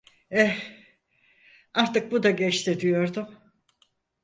Eh, artık bu da geçti diyordum.